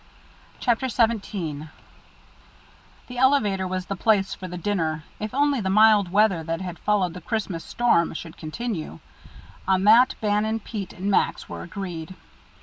CHAPTER XVII The elevator was the place for the dinner, if only the mild weather that had followed the Christmas storm should continue on that Bannon, Pete, and Max were agreed.